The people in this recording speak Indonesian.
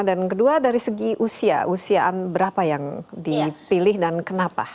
dan kedua dari segi usia usiaan berapa yang dipilih dan kenapa